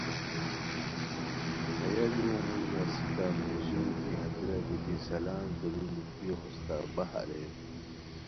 ہیہ لُوؤ موژی اسیکا میرژوری دی ہتیرا گیتی سلام کوری میکیو ہوستہ باح اریر